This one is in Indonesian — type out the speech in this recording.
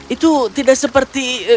itu tidak seperti